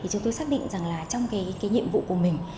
chúng tôi xác định rằng là trong nhiệm vụ của mình